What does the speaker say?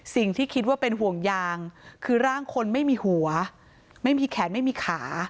สิ่งที่คิดว่าเป็นห่วงยางคือร่างคนไม่มีหัวไม่มีแขนไม่มีขา